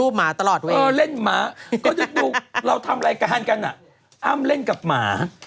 ไปแล้วไปรับไม่กลับมา